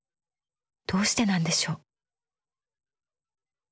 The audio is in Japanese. どうしてなんでしょう？